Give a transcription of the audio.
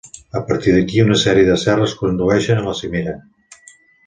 A partir d'aquí, una sèrie de serres condueixen a la cimera.